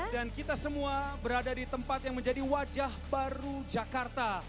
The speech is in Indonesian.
dan kita semua berada di tempat yang menjadi wajah baru jakarta